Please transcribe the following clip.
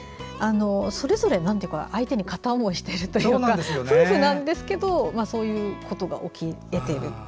それぞれ、何か相手に片思いしているというか夫婦なんですけどそういうことが起きている。